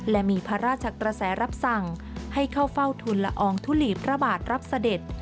และมีพระราชกระแสรับสั่งให้เข้าเฝ้าทุนละอองทุลีพระบาทรับเสด็จ